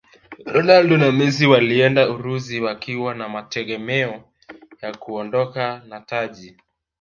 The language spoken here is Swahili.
ronaldo na messi walienda urusi wakiwa na mategemeo ya kuondoka na taji